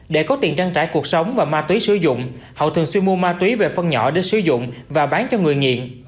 để có tiền trang trải cuộc sống và ma túy sử dụng hậu thường xuyên mua ma túy về phân nhỏ để sử dụng và bán cho người nghiện